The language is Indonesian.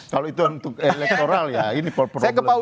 kalau itu untuk elektoral